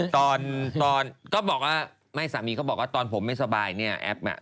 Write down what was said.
ตอนก็บอกว่าไม่สามีก็บอกว่าตอนผมไม่สบายเนี่ยแอ๊บเนี่ย